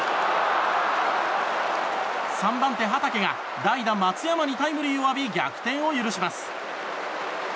３番手、畠が代打、松山にタイムリーを浴び逆転を許します。